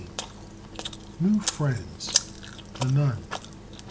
New Friends. The Nun.